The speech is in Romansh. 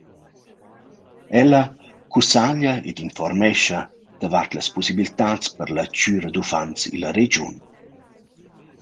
Ella cussaglia ed infuormescha davart las pussibiltats per la chüra d’uffants illa regiun.